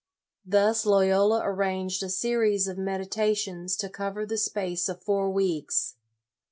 Thus Loyola arranged a series of meditations to cover the space of four weeks.